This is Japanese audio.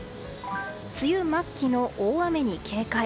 梅雨末期の大雨に警戒。